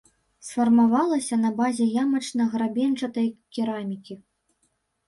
Сфармавалася на базе ямачна-грабеньчатай керамікі.